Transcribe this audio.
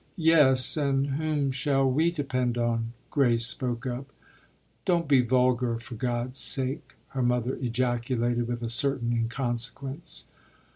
"Yes, and whom shall we depend on?" Grace spoke up. "Don't be vulgar, for God's sake!" her mother ejaculated with a certain inconsequence.